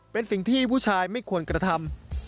เป็นสิ่งที่ผู้ชายไม่ควรกระทำ